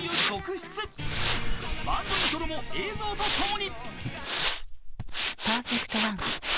［バンドイントロも映像と共に］